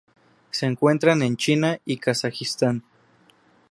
Se encuentran en China y Kazajistán.